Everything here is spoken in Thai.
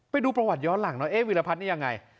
ไปดูประวัติย้อนหลังหน่อยเอ๊วิรพัฒน์นี่ยังไง